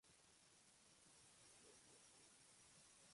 Bellick es obligado a limpiar los baños y es maltratado por los demás presos.